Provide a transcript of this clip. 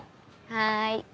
はい。